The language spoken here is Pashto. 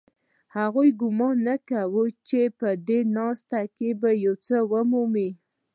هغوی ګومان نه کاوه چې په دې ناسته کې به څه ومومي